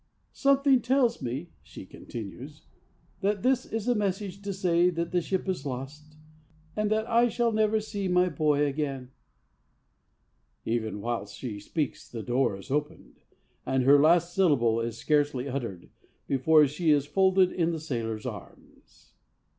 'Something tells me,' she continues, 'that this is a message to say that the ship is lost, and that I shall never see my boy again.' Even whilst she speaks the door is opened, and her last syllable is scarcely uttered before she is folded in the sailor's arms.